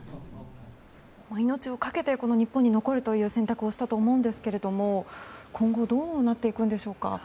命を懸けて日本に残るという選択をしたと思うんですが今後どうなっていくんでしょうか。